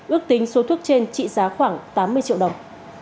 ước tính số thuốc trên trị giá khoảng tám mươi triệu đồng